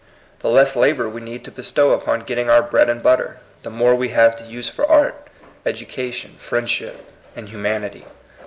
The less labor we need to bestow upon getting our bread and butter, the more we have to use for art, education, friendship, and humanity.